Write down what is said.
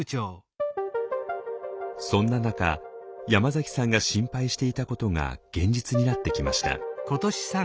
そんな中山崎さんが心配していたことが現実になってきました。